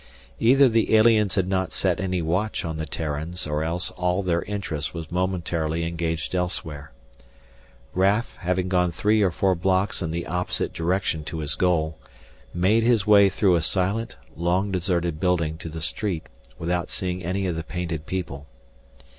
Either the aliens had not set any watch on the Terrans or else all their interest was momentarily engaged elsewhere. Raf, having gone three or four blocks in the opposite direction to his goal, made his way through a silent, long deserted building to the street without seeing any of the painted people.